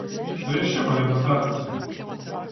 Што яшчэ павінна здарыцца?